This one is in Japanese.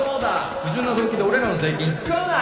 不純な動機で俺らの税金使うな！